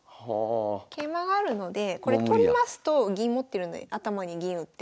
桂馬があるのでこれ取りますと銀持ってるので頭に銀打って。